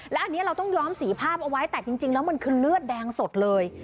แล้วอันนี้เราต้องย้อมสีภาพเอาไว้แต่จริงแล้วมันคือเลือดแดงสดเลย